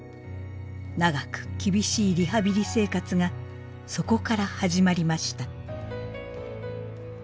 長く厳しいリハビリ生活がそこから始まりました。